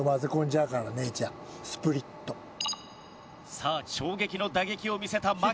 さあ衝撃の打撃を見せた牧。